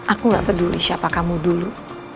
aku gak peduli siapa kamu dulu